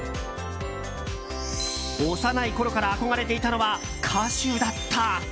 幼いころから憧れていたのは歌手だった。